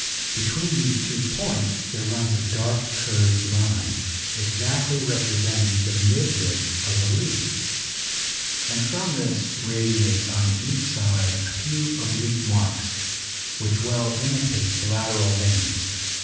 Between these two points there runs a dark curved line, exactly representing the midrib of a leaf, and from this radiate on each side a few oblique marks, which well imitate the lateral veins.